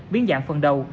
biến dạng phần đầu